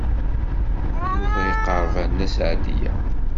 Yuba iqerreb ar Nna Seɛdiya.